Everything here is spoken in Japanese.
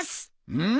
うん？